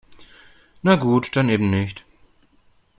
Na gut, dann eben nicht.